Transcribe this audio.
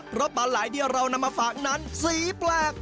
เพราะปลาไหล่ที่เรานำมาฝากนั้นสีแปลก